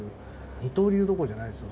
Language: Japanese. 二刀流どころじゃないですよ。